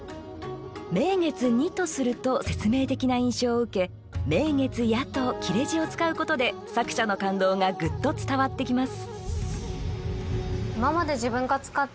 「名月に」とすると説明的な印象を受け「名月や」と切れ字を使うことで作者の感動がグッと伝わってきます